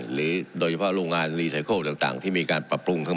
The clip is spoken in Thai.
หรือโดยเฉพาะลูงงานรีไซไมโครศต่างที่มีการปรับปรุง